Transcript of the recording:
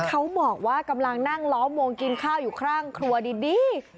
เขาบอกว่ากำลังนั่งล้อมวงกินข้าวอยู่ข้างครัวดี